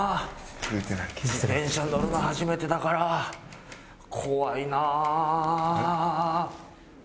自転車に乗るの初めてだから怖いな。